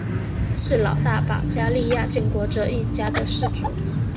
是老大保加利亚建国者一家的氏族。